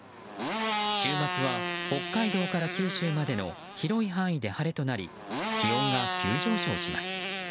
週末は北海道から九州までの広い範囲で晴れとなり気温が急上昇します。